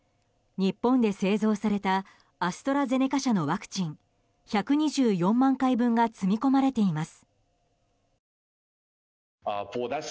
日本で製造されたアストラゼネカ社のワクチン１２４万回分が積み込まれています。